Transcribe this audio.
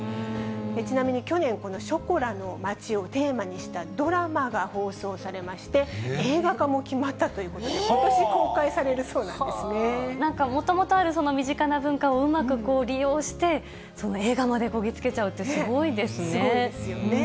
ちなみに去年、このショコラの街をテーマにしたドラマが放送されまして、映画化も決まったということで、ことし公開されるそうななんか、もともとある、その身近な文化をうまく利用して、映画までこぎ着けちゃうってすごすごいですよね。